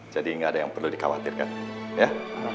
jadi nggak ada yang perlu dikhawatirkan ya